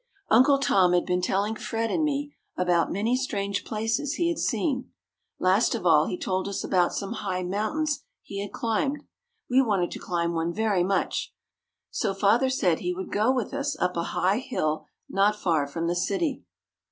Uncle Tom had been telling Fred and me about many strange places he had seen. Last of all, he told us about some high mountains he had climbed. We wanted to climb one very much. So father said he would go with us up a high hill not far from the city.